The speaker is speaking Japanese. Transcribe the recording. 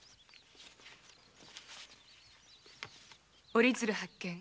「折鶴発見